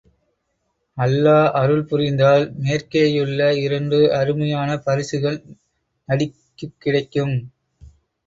அல்லா அருள்புரிந்தால் மேற்கேயுள்ள இரண்டு அருமையான பரிசுகள் நடிக்குக் கிடைக்கும்.